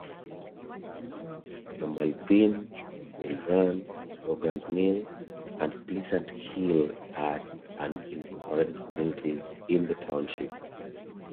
Normalville, Mill Run, Rogers Mill, and Pleasant Hill are unincorporated communities in the township.